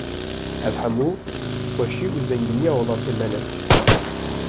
Ev hemû xweşî û zengîniya welatê me ne.